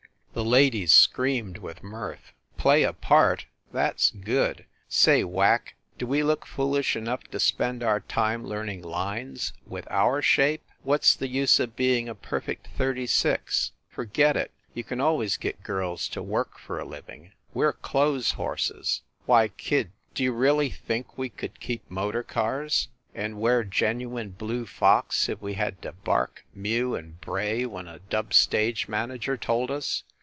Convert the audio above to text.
The ladies screamed with mirth. "Play a part! That s good! Say, Whack, do we look foolish enough to spend our time learning lines, with our shape? What s the use of being a perfect thirty six? Forget it. You can always get girls to work for a living. We re clothes horses. Why, kid, d you really think we could keep motor cars and wear gen THE CAXTON DINING ROOM 169 nine blue fox, if we had to bark, mew and bray when a dub stage manager told us?